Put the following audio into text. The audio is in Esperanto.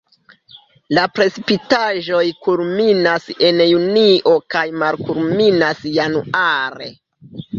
La precipitaĵoj kulminas en junio kaj malkulminas januare.